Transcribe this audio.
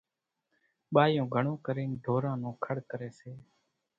ٻايوُن گھڻون ڪرينَ ڍوران نون کڙ ڪريَ سي۔